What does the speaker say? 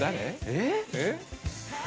えっ？